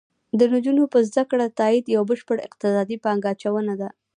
د نجونو په زده کړه تاکید یو بشپړ اقتصادي پانګه اچونه ده